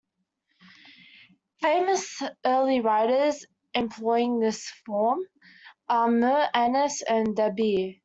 Famous early writers employing this form are Mir Anis and Dabeer.